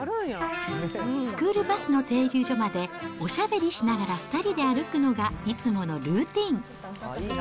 スクールバスの停留所まで、おしゃべりしながら２人で歩くのが、いつものルーティン。